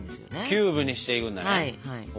キューブにしていくんだね。ＯＫ。